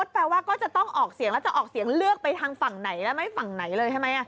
แล้วจะออกเสียงเลือกไปทางฝั่งไหนแล้วมันไม่ได้เป็นฝั่งไหนเลยใช่มั้ย